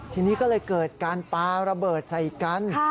ทีนี้ก็เลยเกิดการปลาระเบิดใส่กัน